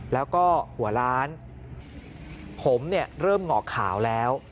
แล้วก็หัวล้านผมเริ่มเหงาขาวแล้ว